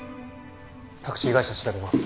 タクシー会社調べます。